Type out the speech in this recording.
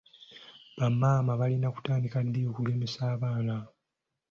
Bamaama balina kutandika ddi okugemesa abaana?